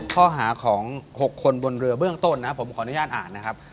ข้อหาของ๖คนบนเรือเบื้องต้นนะผมขออนุญาตอ่านนะครับ